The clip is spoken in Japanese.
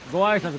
はい。